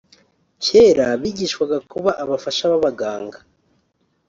Kera bigishwaga kuba abafasha b’abaganga